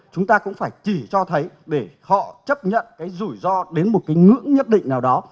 chúng ta cũng phải chỉ cho thấy để họ chấp nhận cái rủi ro đến một cái ngưỡng nhất định nào đó